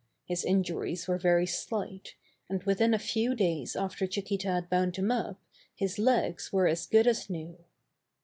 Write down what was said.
His in juries were very slight, and within a few days after Chiquita had bound them up his legs were as good as new.